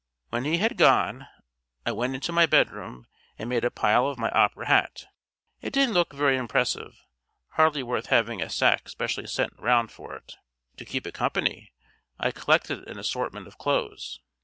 When he had gone I went into my bedroom and made a pile of my opera hat. It didn't look very impressive hardly worth having a sack specially sent round for it. To keep it company I collected an assortment of clothes.